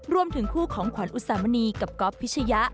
รวมถึงคู่ของขวัญอุสามณีกับก๊อฟพิชยะ